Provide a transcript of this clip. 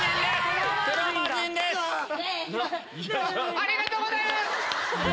ありがとうございます！